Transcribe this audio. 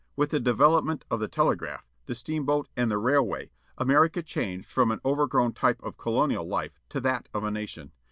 With the development of the telegraph, the steamboat, and the railway, America changed from an overgrown type of colonial life to that of a nation.